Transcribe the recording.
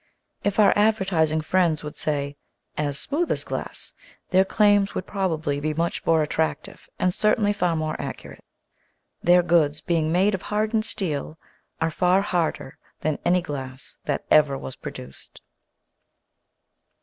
If our advertising friends would say "as smooth as glass'' their claims would probably be much more attractive and certainly far more accurate. Their goods being made of hardened steel are far harder than any glass that ever was produced.